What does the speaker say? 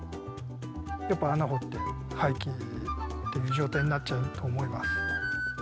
やっぱ、穴掘って廃棄っていう状態になっちゃうと思います。